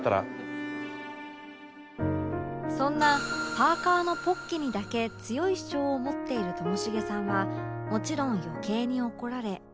そんなパーカーのポッケにだけ強い主張を持っているともしげさんはもちろん余計に怒られ